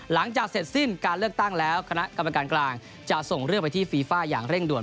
หลังจากเสร็จสิ้นการเลือกตั้งแล้วคณะกรรมการกลางจะส่งเรื่องไปที่ฟีฟ่าอย่างเร่งด่ว